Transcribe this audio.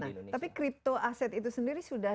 nah tapi crypto aset itu sendiri sudah